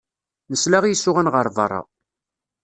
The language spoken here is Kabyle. Nesla i isuɣan ɣer berra.